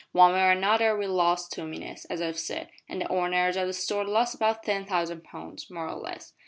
One way or another we lost two minutes, as I've said, an' the owners o' that store lost about ten thousand pounds more or less.'"